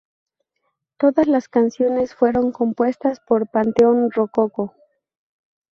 Todas las canciones fueron compuestas por Panteón Rococó.